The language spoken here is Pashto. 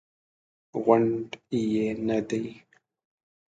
غونډ یې نه دی.